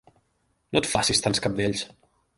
No et facis tants cabdells!